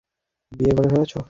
বিয়ে করে ফেলেছে?